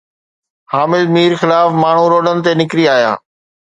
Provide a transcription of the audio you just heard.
حامد مير خلاف ماڻهو روڊن تي نڪري آيا